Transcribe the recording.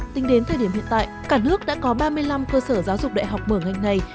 tính đến thời điểm hiện tại cả nước đã có ba mươi năm cơ sở giáo dục đại học mở ngành này